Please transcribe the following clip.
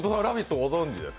ご存じですか。